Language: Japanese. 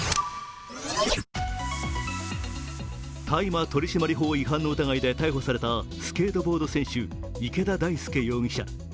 大麻取締法違反の疑いで逮捕されたスケートボード選手、池田大亮容疑者。